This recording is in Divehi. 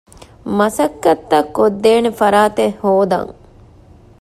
މަސައްކަތްތައް ކޮށްދޭނެ ފަރާތެއް ހޯދަން